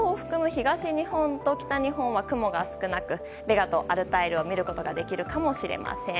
東日本と北日本は雲が少なくベガとアルタイルを見ることができるかもしれません。